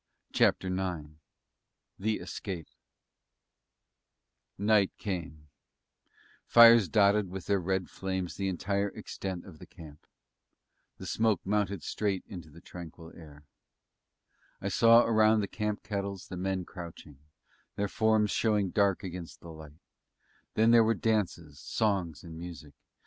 CHAPTER IX THE ESCAPE Night came; fires dotted with their red flames the entire extent of the camp; the smoke mounted straight in the tranquil air; I saw around the camp kettles the men crouching, their forms showing dark against the light; then there were dances, songs, and music.